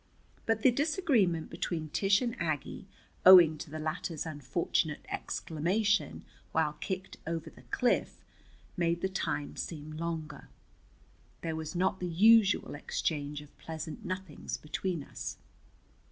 But the disagreement between Tish and Aggie, owing to the latter's unfortunate exclamation while kicked over the cliff, made the time seem longer. There was not the usual exchange of pleasant nothings between us.